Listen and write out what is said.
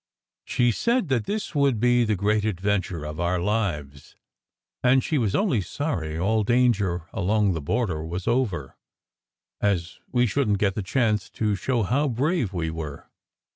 She said that this would be the great adventure of our lives, and she was only sorry all danger along the bor der was over, as we shouldn t get the chance to show how brave we were.